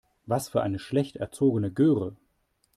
Was für eine schlecht erzogene Göre.